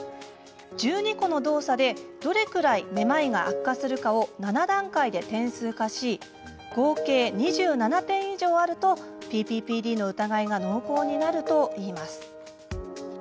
１２個の動作でどれくらいめまいが悪化するかを７段階で点数化し合計２７点以上あるとＰＰＰＤの疑いが濃厚になるといいます。